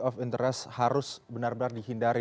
of interest harus benar benar dihindari